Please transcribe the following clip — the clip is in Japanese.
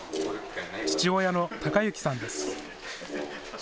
父親の崇之さんです。